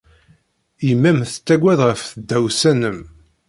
Yemma-m tettagad ɣef tdawsa-nnem.